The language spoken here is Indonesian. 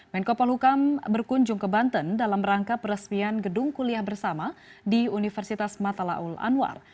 menko polhukam berkunjung ke banten dalam rangka peresmian gedung kuliah bersama di universitas matalaul anwar